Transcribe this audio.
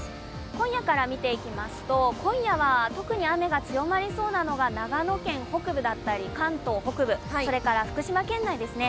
今夜から見ていきますと、今夜は特に雨が強まりそうなのが長野県北部だったり関東北部、それからそれから福島県内ですね。